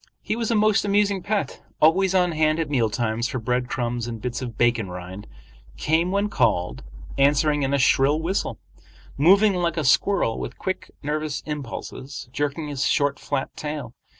He was a most amusing pet, always on hand at meal times for bread crumbs and bits of bacon rind, came when called, answering in a shrill whistle, moving like a squirrel with quick, nervous impulses, jerking his short flat tail.